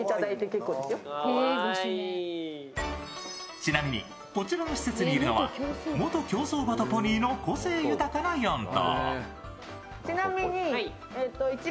ちなみにこちらの施設にいるのは元競走馬とポニーの個性豊かな４頭。